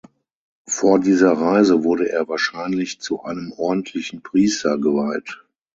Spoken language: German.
Vor dieser Reise wurde er wahrscheinlich zu einem ordentlichen Priester geweiht.